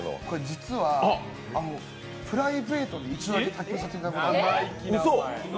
実は、プライベートで一度だけ卓球させていただいたことが。